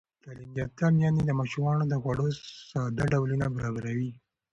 تعلیم یافته میندې د ماشومانو د خوړو ساده ډولونه برابروي.